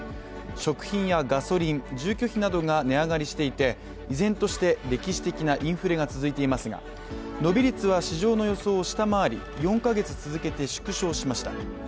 食品やガソリン、住居費などが値上がりしていて依然として歴史的なインフレが続いていますが、伸び率は市場の予想を下回り、４か月続けて縮小しました。